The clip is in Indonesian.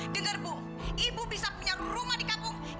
dengar bu ibu bisa punya rumah di kampung